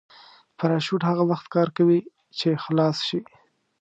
پراشوټ هغه وخت کار کوي چې خلاص شي.